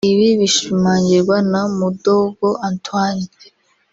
Ibi bishimangirwa na Mudogo Antoine